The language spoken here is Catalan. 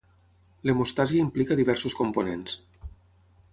L'hemostàsia implica diversos components.